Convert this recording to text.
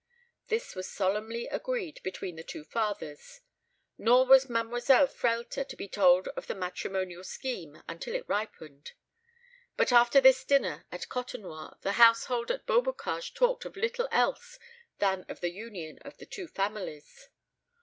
This was solemnly agreed between the two fathers. Nor was Mademoiselle Frehlter to be told of the matrimonial scheme until it ripened. But after this dinner at Côtenoir the household at Beaubocage talked of little else than of the union of the two families.